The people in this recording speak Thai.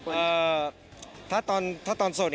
เอ่อถ้าตอนถ้าตอนสด